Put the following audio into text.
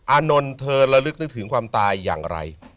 อานนท์เธอระลึกนึกถึงความตายอย่างไร